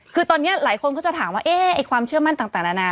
คือตอนนี้หลายคนก็จะถามว่าความเชื่อมั่นต่างนานา